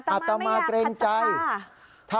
อาตมาไม่อยากขัดสทา